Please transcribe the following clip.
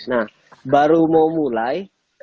nah baru mau mulai